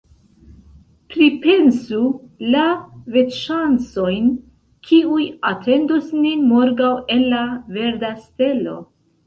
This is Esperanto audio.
Pripensu la vetŝancojn, kiuj atendos nin morgaŭ en La Verda Stelo!